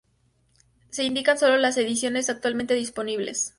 Se indican sólo las ediciones actualmente disponibles.